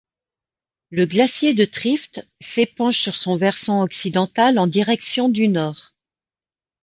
Le glacier de Trift s'épanche sur son versant occidental en direction du nord.